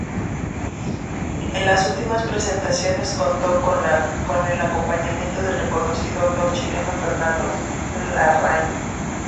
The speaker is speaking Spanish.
En las últimas presentaciones contó con el acompañamiento del reconocido actor chileno Fernando Larraín.